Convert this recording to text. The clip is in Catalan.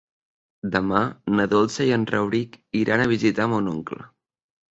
Demà na Dolça i en Rauric iran a visitar mon oncle.